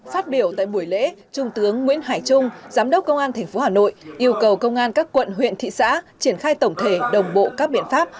phát biểu tại buổi lễ trung tướng nguyễn hải trung giám đốc công an tp hà nội yêu cầu công an các quận huyện thị xã triển khai tổng thể đồng bộ các biện pháp